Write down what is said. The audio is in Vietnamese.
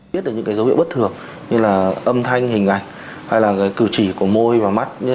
biết được những cái dấu hiệu bất thường như là âm thanh hình ảnh hay là cử chỉ của môi và mắt